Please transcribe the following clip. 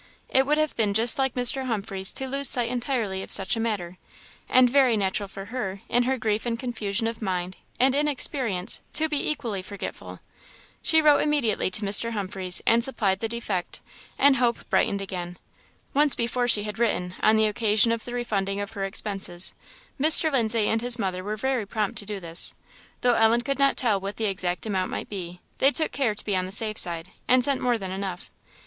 It would have been just like Mr. Humphreys to lose sight entirely of such a matter, and very natural for her, in her grief and confusion of mind, and inexperience, to be equally forgetful. She wrote immediately to Mr. Humphreys and supplied the defect, and hope brightened again. Once before she had written, on the occasion of the refunding her expenses. Mr. Lindsay and his mother were very prompt to do this, though Ellen could not tell what the exact amount might be; they took care to be on the safe side, and sent more than enough.